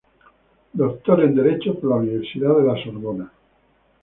Doctor en Derecho por la Universidad de la Sorbona.